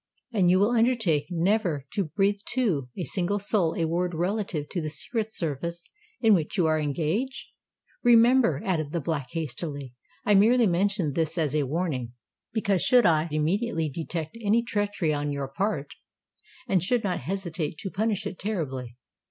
"And you will undertake never to breathe to a single soul a word relative to the secret service in which you are engaged? Remember," added the Black, hastily, "I merely mention this as a warning; because I should immediately detect any treachery on your part, and should not hesitate to punish it terribly."